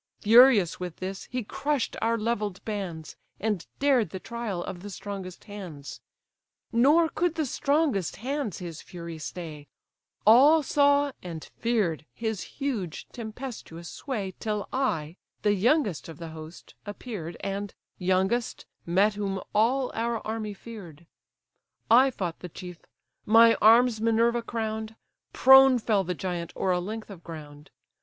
Furious with this he crush'd our levell'd bands, And dared the trial of the strongest hands; Nor could the strongest hands his fury stay: All saw, and fear'd, his huge tempestuous sway Till I, the youngest of the host, appear'd, And, youngest, met whom all our army fear'd. I fought the chief: my arms Minerva crown'd: Prone fell the giant o'er a length of ground.